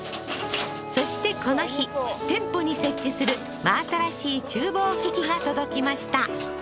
そしてこの日店舗に設置する真新しい厨房機器が届きました